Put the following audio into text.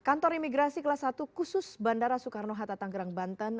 kantor imigrasi kelas satu khusus bandara soekarno hatta tanggerang banten